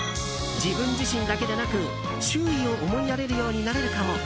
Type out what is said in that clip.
自分自身だけでなく周囲を思いやれるようになれるかも。